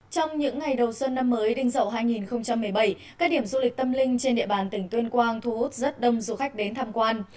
trong những ngày đầu xuân năm mới đinh rậu hai nghìn một mươi bảy các điểm du lịch tâm linh trên địa bàn tỉnh tuyên quang thu hút rất đông du khách đến tham quan